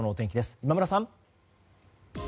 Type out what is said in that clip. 今村さん。